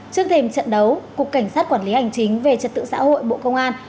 trước thêm trận đấu cục cảnh sát quản lý hành chính về trật tự xã hội bộ công an